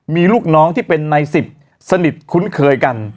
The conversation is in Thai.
มีลูกน้องที่เป็นใน๑๐สนิทคุ้นเคยกัน